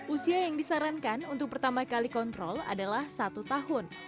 usia yang disarankan untuk pertama kali kontrol adalah satu tahun